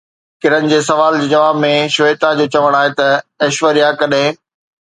ڪرن جي سوال جي جواب ۾ شويتا جو چوڻ آهي ته ايشوريا ڪڏهن